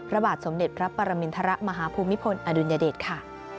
ระบาดสมเด็จรับปรมินทรมาภูมิพลอดุญเดชน์ค่ะ